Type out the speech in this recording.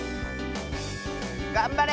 がんばれ！